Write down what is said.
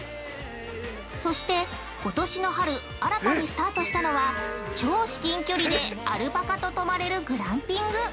そして、ことしの春新たにスタートしたのは超至近距離でアルパカと泊まれるグランピング。